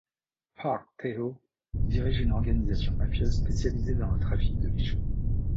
Park Tae-ho dirige une organisation mafieuse spécialisée dans le trafic de bijoux.